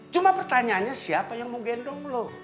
cuma pertanyaannya siapa yang mau gendong loh